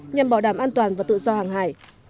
nhằm bảo đảm an toàn và tự do hàng hải